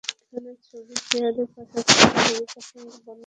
এখানে ছবি শেয়ারের পাশাপাশি ছবির প্রাসঙ্গিক বর্ণনার দেওয়ারও সীমিত সুযোগ থাকে।